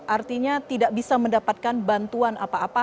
artinya tidak bisa mendapatkan bantuan apa apa